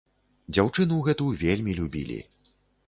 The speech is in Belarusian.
Дзяўчыну гэту вельмі любілі.